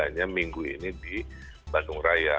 hanya minggu ini di bandung raya